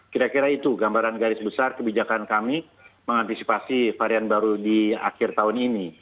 kira kira itu gambaran garis besar kebijakan kami mengantisipasi varian baru di akhir tahun ini